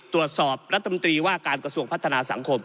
ตรวจสอบรัฐมนตรีว่าการกระทรวงพัฒนาสังคม